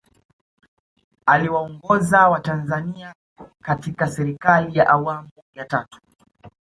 Aliwaongoza watanzania katika Serikali ya Awamu ya Tatu